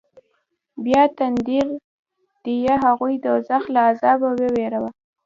بيا تنذير ديه هغوى د دوزخ له عذابه ووېروه.